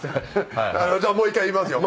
じゃあもう一回言いますよ。